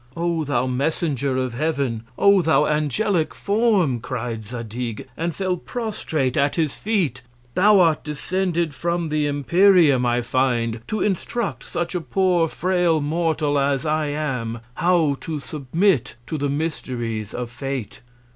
O thou Messenger of Heaven! O thou angelic Form! cry'd Zadig, and fell prostrate at his Feet; thou art descended from the Empireum, I find, to instruct such a poor frail Mortal as I am, how to submit to the Mysteries of Fate.